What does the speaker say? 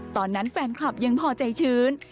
ตอนนั้นแฟนคลับยังพอใจชื้น